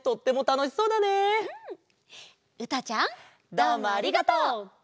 どうもありがとう！